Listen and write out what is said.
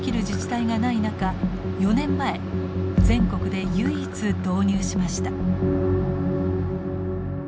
自治体がない中４年前全国で唯一導入しました。